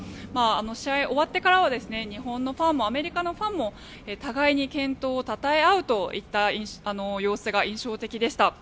試合終わってからは日本のファンもアメリカのファンも互いに健闘をたたえ合うといった様子が印象的でした。